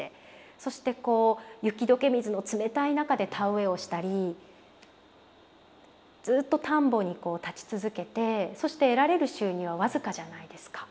そして雪解け水の冷たい中で田植えをしたりずっと田んぼに立ち続けてそして得られる収入は僅かじゃないですか。